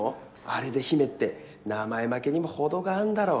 あれで「ヒメ」って名前負けにも程があんだろ